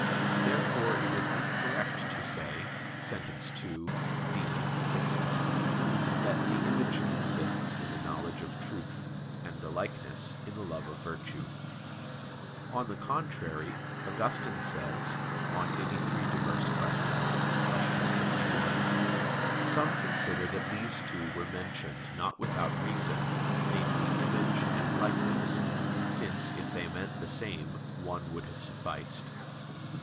Therefore it is incorrect to say (Sent. ii, D, xvi) that "the image consists in the knowledge of truth, and the likeness in the love of virtue." On the contrary, Augustine says (QQ. 83, qu. 51): "Some consider that these two were mentioned not without reason, namely "image" and "likeness," since, if they meant the same, one would have sufficed."